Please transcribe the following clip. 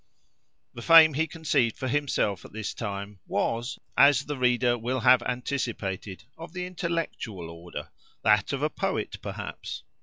The fame he conceived for himself at this time was, as the reader will have anticipated, of the intellectual order, that of a poet perhaps.